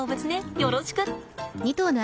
よろしく。